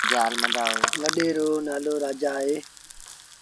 وڏي رو نآلو رآجآ اهي